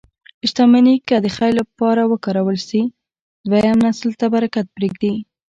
شتمني که د خیر لپاره وکارول شي، دویم نسل ته برکت پرېږدي.